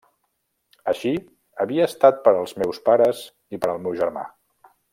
Així havia estat per als meus pares i per al meu germà.